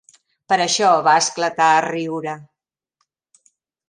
Per això va esclatar a riure.